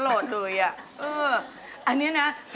โฮลาเลโฮลาเลโฮลาเล